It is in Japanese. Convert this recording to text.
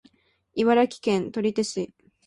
茨城県取手市